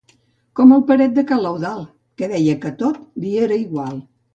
Com el Peret de ca l'Eudald, que deia que tot li era igual.